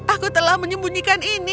aku telah menyembunyikan ini